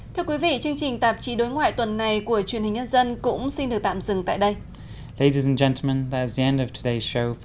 thưa quý vị chương trình tạp chí đối ngoại tuần này của truyền hình nhân dân cũng xin được tạm dừng tại đây